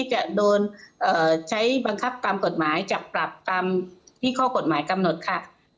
จะโดนใช้บังคับตามกฎหมายจับปรับตามที่ข้อกฎหมายกำหนดค่ะ